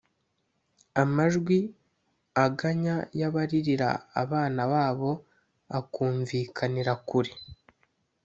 amajwi aganya y’abaririra abana babo akumvikanira kure.